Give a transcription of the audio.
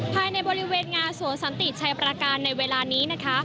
ภายในบริเวณงาสวนสันติชัยประการในเวลานี้นะคะ